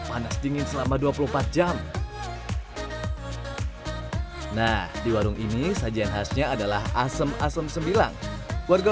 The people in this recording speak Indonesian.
panas dingin selama dua puluh empat jam nah di warung ini sajian khasnya adalah asem asem sembilan warga